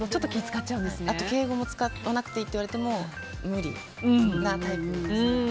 敬語も使わなくていいって言われても無理なタイプです。